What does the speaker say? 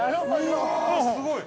◆うわ、すごい！